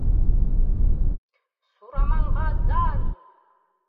Сураманға дан!